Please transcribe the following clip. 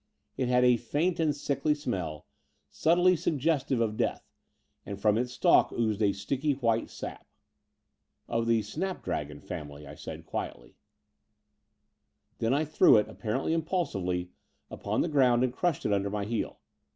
It had a faint and sickly smell, subtly suggestive of death, and from its stalk oozed a sticky white sap. 0f the snapdragon family," I said quietly. Then I threw it, apparently impulsively, upon the grotmd and crushed it under my heel.